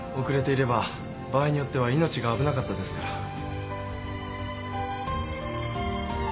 遅れていれば場合によっては命が危なかったですから。